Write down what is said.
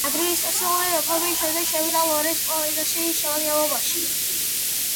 ადმინისტრაციული რეფორმის შემდეგ შევიდა ლორეს პროვინციის შემადგენლობაში.